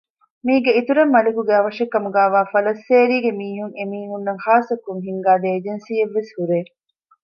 މީގެ އިތުރަށް މަލިކުގެ އަވަށެއްކަމުގައިވާ ފަލައްސޭރީގެ މީހުން އެމީހުންނަށް ޚާއްސަކޮށް ހިންގާ ދެ އެޖެންސީއެއްވެސް ހުރޭ